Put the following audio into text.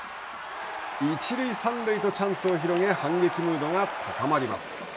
一塁三塁とチャンスを広げ反撃ムードが高まります。